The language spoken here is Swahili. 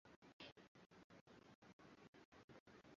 katika miaka yake karibu kumi na Sita ya kucheza soka